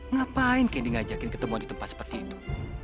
ngapain candy ngajakin ketemuan di tempat seperti itu